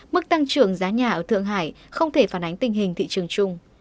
mức tăng trưởng giá nhà ở thượng hải không thể phản ánh tình hình thị trường chung